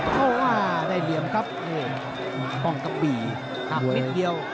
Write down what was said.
เข้าว่าได้เหลี่ยมครับป้องกะบี่หักนิดเดียว